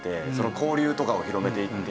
交流とかを広めていって。